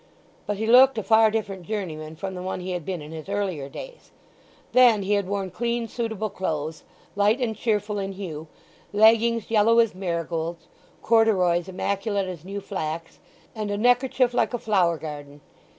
But he looked a far different journeyman from the one he had been in his earlier days. Then he had worn clean, suitable clothes, light and cheerful in hue; leggings yellow as marigolds, corduroys immaculate as new flax, and a neckerchief like a flower garden.